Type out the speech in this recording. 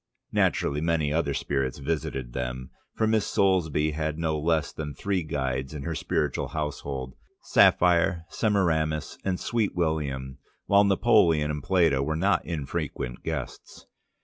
Naturally many other spirits visited them, for Miss Soulsby had no less than three guides in her spiritual household, Sapphire, Semiramis, and Sweet William, while Napoleon and Plato were not infrequent guests.